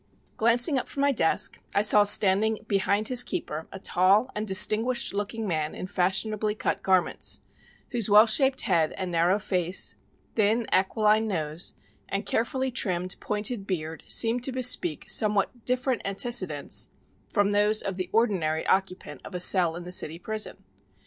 Glancing up from my desk I saw standing behind his keeper a tall and distinguished looking man in fashionably cut garments, whose well shaped head and narrow face, thin aquiline nose, and carefully trimmed pointed beard seemed to bespeak somewhat different antecedents from those of the ordinary occupant of a cell in the City Prison.